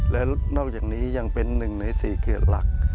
และนอกจากนี้ยังเป็นหนึ่งในสี่เขื่อนหลัก